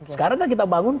sekarang tidak kita bangun